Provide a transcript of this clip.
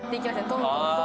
どんどんどんどん。